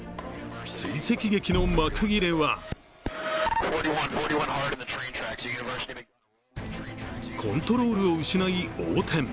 追跡劇の幕切れはコントロールを失い、横転。